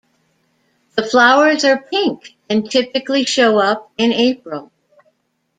The flowers are pink and typically show up in April.